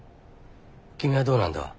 君はどうなんだ？